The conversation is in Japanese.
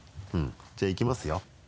じゃあいきますよ。